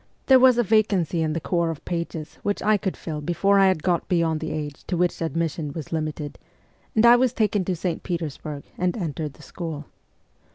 There was a vacancy in the corps of pages which I could fill before I had got beyond the age to which admission was limited, and I was taken to St. Petersburg and entered the school.